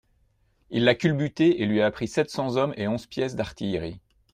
Il l'a culbuté et lui a pris sept cents hommes et onze pièces d'artillerie.